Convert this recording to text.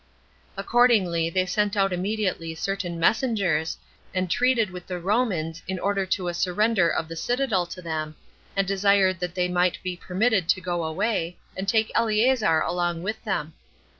Accordingly, they sent out immediately certain messengers, and treated with the Romans, in order to a surrender of the citadel to them, and desired that they might be permitted to go away, and take Eleazar along with them.